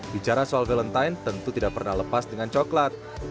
bicara soal valentine tentu tidak pernah lepas dengan coklat